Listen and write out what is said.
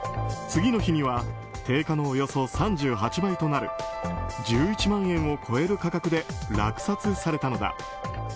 次の日には定価のおよそ３８倍となる１１万円を超える価格で落札されたのだ。